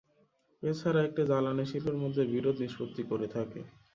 এছাড়া এটি জ্বালানি শিল্পের মধ্যে বিরোধ নিষ্পত্তি করে থাকে।